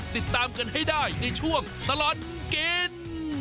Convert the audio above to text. ติดตามกันให้ได้ในช่วงตลอดกิน